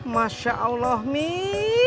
masya allah mih